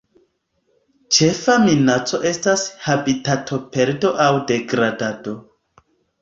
Ĉefa minaco estas habitatoperdo aŭ degradado.